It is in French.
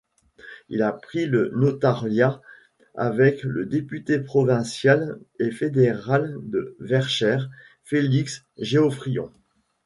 Il apprit le notariat avec le député provincial et fédéral de Verchères, Félix Geoffrion.